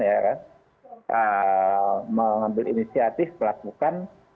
eee mengambil inisiatif melakukan